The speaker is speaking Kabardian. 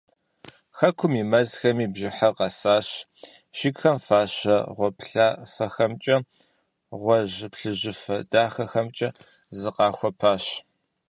Хэкум и мэзхэми бжьыхьэр къэсащ, жыгхэм фащэ гъуаплъафэхэмкӏэ, гъуэжь-плъыжьыфэ дахэхэмкӀэ зыкъахуэпащ.